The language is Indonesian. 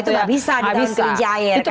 oh itu gak bisa di tahun kerja air